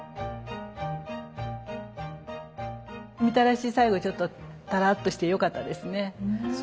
みたらし最後ちょっとタラッとして良かったですね。